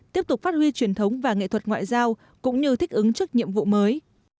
tiếp tục phát huy truyền thống và nghệ thuật ngoại giao cũng như thích ứng trước nhiệm vụ mới